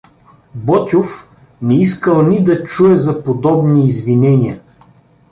Ботйов не искал ни да чуе за подобни извинения.